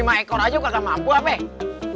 cuman lima ekor aja bukan kambingnya bu messi ya